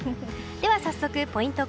では早速、ポイント